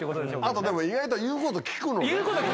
あとでも意外と言うこと聞くのね。